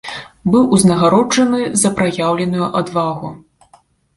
Быў узнагароджаны за праяўленую адвагу.